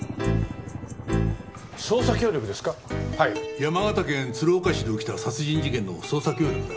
山形県鶴岡市で起きた殺人事件の捜査協力だ。